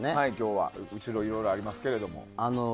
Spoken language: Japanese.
後ろ、いろいろありますけども。